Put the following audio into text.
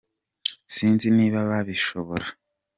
sinzi niba babishobora.